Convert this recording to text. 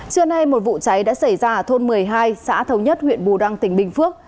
trưa nay một vụ cháy đã xảy ra ở thôn một mươi hai xã thống nhất huyện bù đăng tỉnh bình phước